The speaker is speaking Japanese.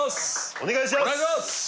お願いします！